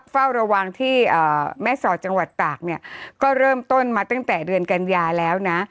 เฝ้าระวังที่แม่สอดจังหวัดตากเนี่ยก็เริ่มต้นมาตั้งแต่เดือนกันยาแล้วนะ